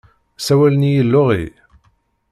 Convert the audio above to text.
Ssawalen-iyi Laurie.